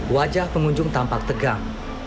wajah pengunjung tampak tegang